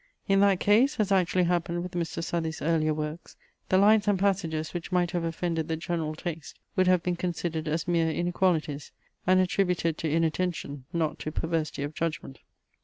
In that case, as actually happened with Mr. Southey's earlier works, the lines and passages which might have offended the general taste, would have been considered as mere inequalities, and attributed to inattention, not to perversity of judgment.